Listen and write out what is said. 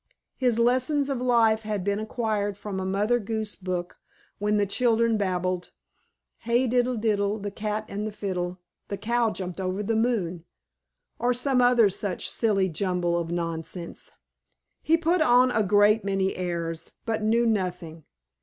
His lessons of life had been acquired from a Mother Goose book when the children babbled, "Hi diddle, diddle, the cat and the fiddle, the cow jumped over the moon," or some other such silly jumble of nonsense. He put on a great many airs, but knew nothing.